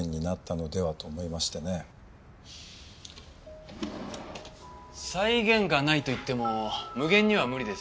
際限がないといっても無限には無理ですよね。